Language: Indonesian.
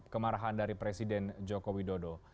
kemarahan dari presiden joko widodo